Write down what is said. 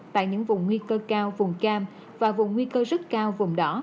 tại những vùng nguy cơ cao vùng cam và vùng nguy cơ rất cao vùng đỏ